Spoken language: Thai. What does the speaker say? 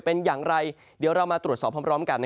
เป็นอย่างไรเดี๋ยวเรามาตรวจสอบพร้อมกัน